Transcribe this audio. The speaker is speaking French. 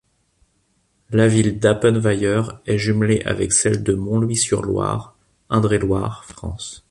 La ville d'Appenweier est jumelée avec celle de Montlouis-sur-Loire, Indre-et-Loire, France.